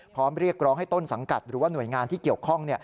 เรียกร้องให้ต้นสังกัดหรือว่าหน่วยงานที่เกี่ยวข้อง